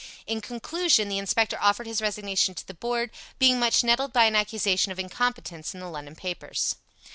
In conclusion, the inspector offered his resignation to the Board, being much nettled by an accusation of incompetence in the London papers.